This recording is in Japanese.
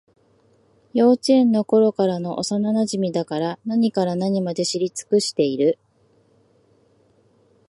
幼稚園のころからの幼なじみだから、何から何まで知り尽くしている